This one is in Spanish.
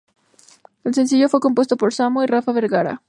El sencillo fue compuesto por Samo y Rafa Vergara.